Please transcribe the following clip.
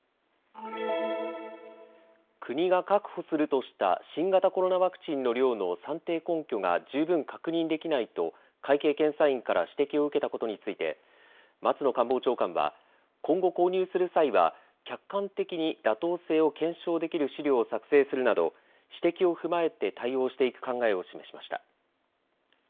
国が確保するとした新型コロナワクチンの量の算定根拠が十分確認できないと会計検査院から指摘を受けたことについて松野官房長官は今後、購入する際は客観的に妥当性を検証できる資料を作成するなど指摘を踏まえて対応していく考えを示しました。